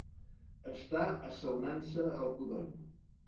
Estar assaonant-se el codony.